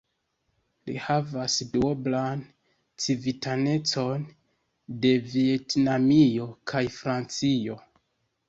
Li havas duoblan civitanecon de Vjetnamio kaj Francio.